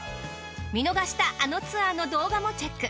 見逃したあのツアーの動画もチェック。